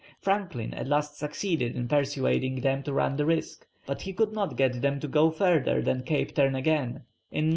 Franklin at last succeeded in persuading them to run the risk; but he could not get them to go further than Cape Turn again in N.